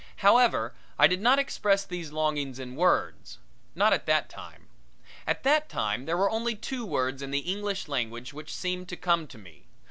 However, I did not express these longings in words not at that time. At that time there were only two words in the English language which seemed to come to me.